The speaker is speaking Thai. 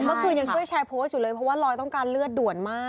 เมื่อคืนยังช่วยแชร์โพสต์อยู่เลยเพราะว่าลอยต้องการเลือดด่วนมาก